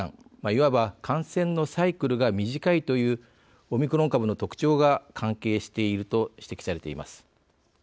いわば感染のサイクルが短いというオミクロン株の特徴が関係していると指摘されています。